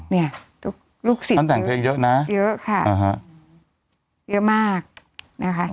เนี่ยทุกลูกศิษย์ท่านแต่งเพลงเยอะนะเยอะค่ะเยอะมากนะคะ